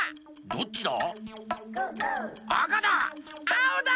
どっちだ？